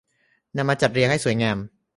นำมาจัดเรียงให้สวยงาม